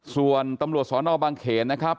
ส่วนตำรวจสนบางเขนนะครับ